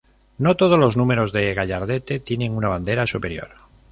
No todos los números de gallardete tienen una bandera superior.